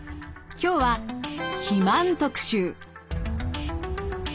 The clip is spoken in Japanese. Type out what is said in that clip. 今日は「肥満特集」。